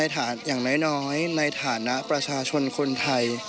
อย่างน้อยในฐานะประชาชนคนไทย